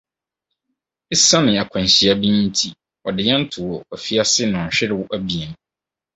Esiane akwanhyia bi nti, wɔde yɛn too afiase nnɔnhwerew abien.